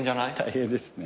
大変ですね。